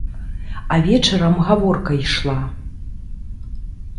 А вечарам гаворка ішла.